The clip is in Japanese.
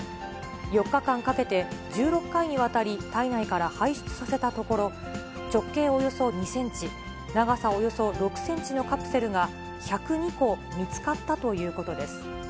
４日間かけて、１６回にわたり、体内から排出させたところ、直径およそ２センチ、長さおよそ６センチのカプセルが１０２個見つかったということです。